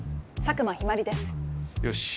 よし！